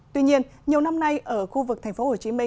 tuy nhiên nhiều năm nay ở khu vực tp hcm